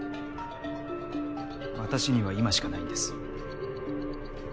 私には今しかないんです。